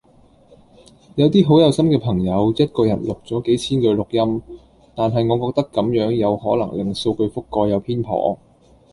有啲好有心嘅朋友，一個人錄咗幾千句錄音，但係我覺得咁樣有可能令數據覆蓋有偏頗